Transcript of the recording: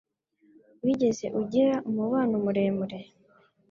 Wigeze ugira umubano muremure?